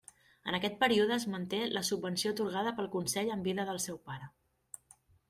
En aquest període es manté la subvenció atorgada pel consell en vida del seu pare.